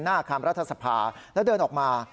อาคารรัฐสภาแล้วเดินออกมา